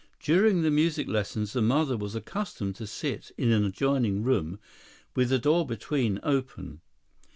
During the music lessons the mother was accustomed to sit in an adjoining room with the door between open.